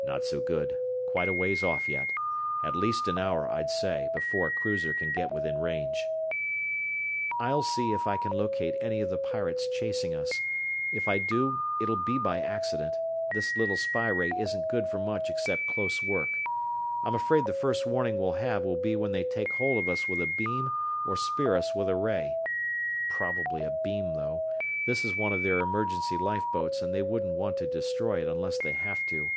"Not so good. Quite a ways off yet. At least an hour, I'd say, before a cruiser can get within range." "I'll see if I can locate any of the pirates chasing up. If I do, it'll be by accident; this little spy ray isn't good for much except close work. I'm afraid the first warning we'll have will be when they take hold of us with a beam or spear us with a ray. Probably a beam, though; this is one of their emergency lifeboats and they wouldn't want to destroy it unless they have to.